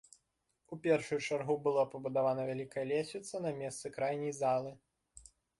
У першую чаргу была пабудавана вялікая лесвіца на месцы крайняй залы.